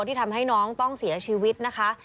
ที่ทำให้น้องต้องเสียชีวิตนะคะ